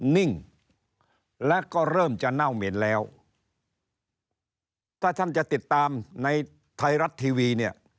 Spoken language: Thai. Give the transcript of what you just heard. นิ่งและก็เริ่มจะเน่าเหม็นแล้วถ้าท่านจะติดตามในไทยรัฐทีวีเนี่ย